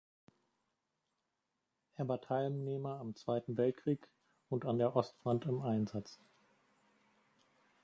Er war Teilnehmer am Zweiten Weltkrieg und an der Ostfront im Einsatz.